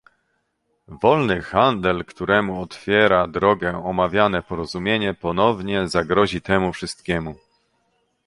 Wolny handel, któremu otwiera drogę omawiane porozumienie, ponownie zagrozi temu wszystkiemu